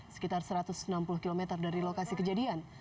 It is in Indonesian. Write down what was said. sekitar satu ratus enam puluh km dari lokasi kejadian